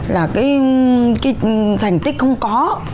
cái thành tích không có